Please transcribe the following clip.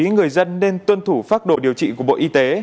người dân nên tuân thủ phác đồ điều trị của bộ y tế